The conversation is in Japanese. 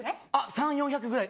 ３００４００ぐらい。